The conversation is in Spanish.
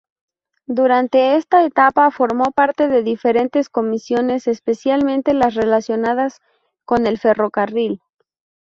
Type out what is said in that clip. Durante esta etapa formó parte de diferentes comisiones, especialmente las relacionadas con el ferrocarril.